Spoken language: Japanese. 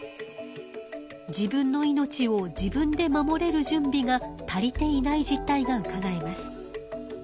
自分の命を自分で守れる準備が足りていない実態がうかがえます。